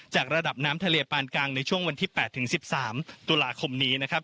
จากระดับน้ำทะเลปานกลางในช่วงวันที่๘๑๓ตุลาคมนี้